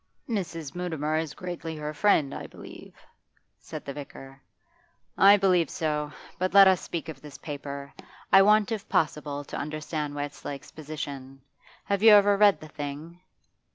'Mrs. Mutimer is greatly her friend, I believe,' said the vicar. 'I believe so. But let us speak of this paper. I want, if possible, to understand Westlake's position. Have you ever read the thing?